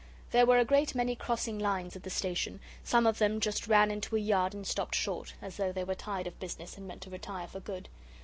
There were a great many crossing lines at the station; some of them just ran into a yard and stopped short, as though they were tired of business and meant to retire for good.